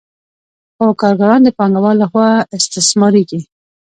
خو کارګران د پانګوال له خوا استثمارېږي